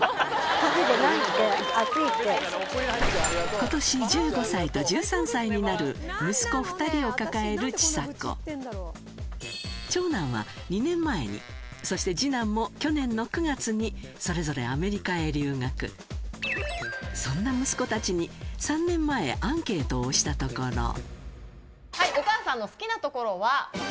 今年１５歳と１３歳になる息子２人を抱えるちさ子長男は２年前にそして二男も去年の９月にそれぞれアメリカへ留学そんな息子たちに３年前アンケートをしたところプッ！